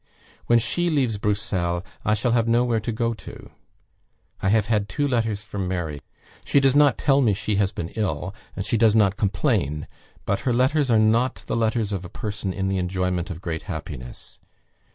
"When she leaves Bruxelles, I shall have nowhere to go to. I have had two letters from Mary. She does not tell me she has been ill, and she does not complain; but her letters are not the letters of a person in the enjoyment of great happiness.